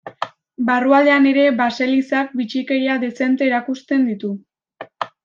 Barrualdean ere baselizak bitxikeria dezente erakusten ditu.